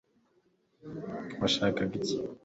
washakaga iki